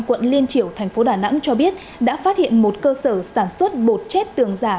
quận liên triểu thành phố đà nẵng cho biết đã phát hiện một cơ sở sản xuất bột chết tường giả